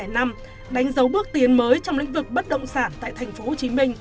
năm hai nghìn năm đánh dấu bước tiến mới trong lĩnh vực bất động sản tại tp hcm